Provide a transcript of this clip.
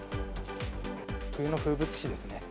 冬の風物詩ですね。